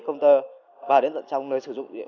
công tơ vào đến trong nơi sử dụng điện